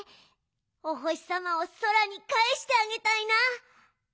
おほしさまをそらにかえしてあげたいな。